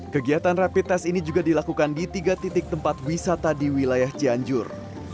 kegiatan rapid test ini juga dilakukan di tiga titik tempat wisata di wilayah cianjur